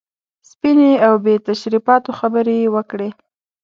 سپینې او بې تشریفاتو خبرې یې وکړې.